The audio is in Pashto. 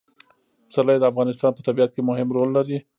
پسرلی د افغانستان په طبیعت کې مهم رول لري.